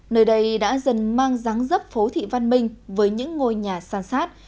nơi đây đã dần mang ráng dấp phố thị văn minh với những ngôi nhà sàn sát